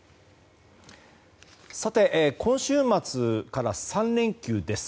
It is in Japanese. さて、今週末から３連休です。